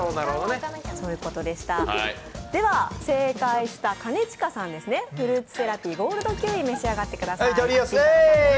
正解した兼近さん、フルーツセラピーゴールドキウイ召し上がってください。